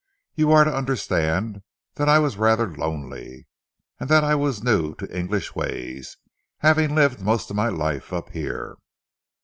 You are to understand that I was rather lonely, and that I was new to English ways, having lived most of my life up here."